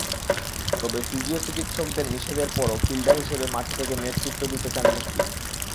তবে ফিজিও-চিকিৎসকদের নিষেধের পরও ফিল্ডার হিসেবে মাঠে থেকে নেতৃত্ব দিতে চান মুশফিক।